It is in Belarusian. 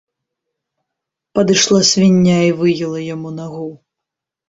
Падышла свіння і выела яму нагу.